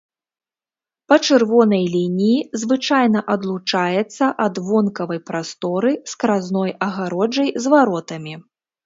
Па чырвонай лініі звычайна адлучаецца ад вонкавай прасторы скразной агароджай з варотамі.